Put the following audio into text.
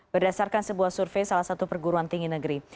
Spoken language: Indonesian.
berdasarkan sebuah survei salah satu perguruan tinggi negeri